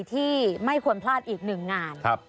ที่ไม่ควรพลาดอีกหนึ่งงาน